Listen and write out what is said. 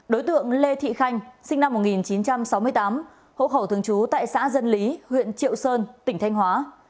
đối tượng lê thị khanh sinh năm một nghìn chín trăm sáu mươi tám hộ khẩu thường trú tại xã dân lý huyện triệu sơn tỉnh thanh hóa